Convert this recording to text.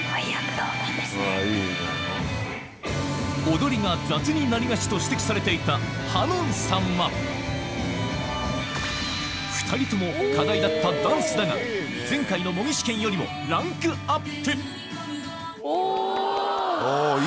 踊りが雑になりがちと指摘されていたはのんさんは２人とも課題だったダンスだが前回の模擬試験よりもランクアップお！